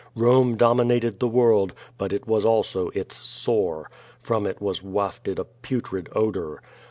Rome dominated the world, but it was also it& sore. From it was wafted a putrid odor.